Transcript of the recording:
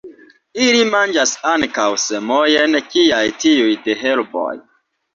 Ili manĝas ankaŭ semojn kiaj tiuj de herboj.